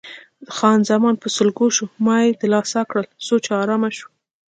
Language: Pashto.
خان زمان په سلګو شوه، ما یې دلاسا کړل څو چې آرامه شوه.